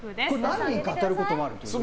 何人か当たることもあるってこと？